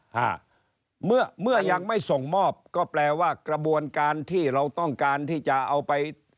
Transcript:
ห้าเมื่อเมื่อยังไม่ส่งมอบก็แปลว่ากระบวนการที่เราต้องการที่จะเอาไป